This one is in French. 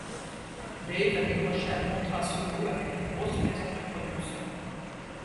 Dave a décroché un contrat solo avec une grosse maison de production.